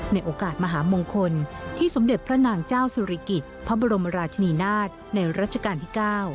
ในโอกาสมหามงคลที่สมเด็จพระนางเจ้าสุริกิจพระบรมราชนีนาฏในรัชกาลที่๙